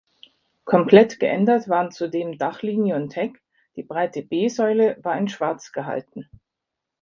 Komplett geändert waren zudem Dachlinie und Heck; die breite B-Säule war in Schwarz gehalten.